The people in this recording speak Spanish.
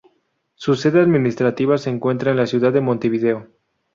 Su sede administrativa se encuentra en la ciudad de Montevideo.